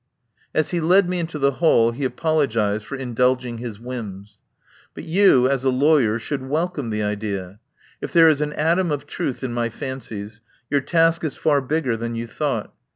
As he led me into the hall he apologised for indulging his whims. "But you, as a lawyer, should welcome the idea. If there is an atom of truth in my fancies, your task is far bigger than you thought.